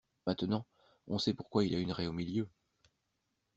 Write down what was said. Maintenant on sait pourquoi il a une raie au milieu.